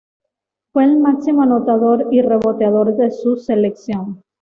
Fue el máximo anotador y reboteador de su selección.